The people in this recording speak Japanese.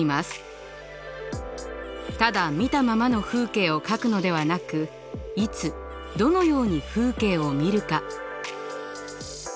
ただ見たままの風景を描くのではなくいつどのように風景を見るか。